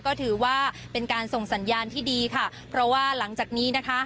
ก็ถือว่าเป็นการส่งสัญญาณที่ดีค่ะเพราะว่าหลังจากนี้นะคะ